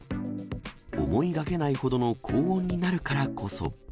思いがけないほどの高温になるからこそ。